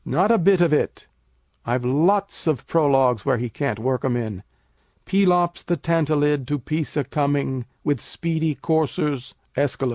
Not a bit of it. I've lots of prologues where he can't work 'em in. Pelops the Tantalid to Pisa coming With speedy coursers Æsch.